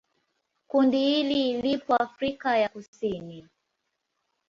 Kundi hili lipo Afrika ya Kusini.